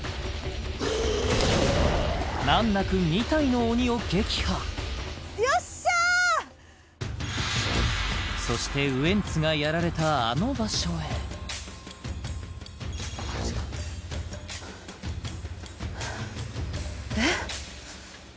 難なく２体の鬼を撃破そしてウエンツがやられたあの場所へえっ？